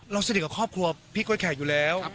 สนิทกับครอบครัวพี่ก้วยแขกอยู่แล้ว